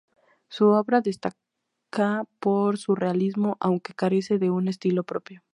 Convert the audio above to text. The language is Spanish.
Su obra destaca por su realismo, aunque carece de un estilo propio.